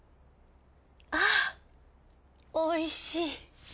あおいしい。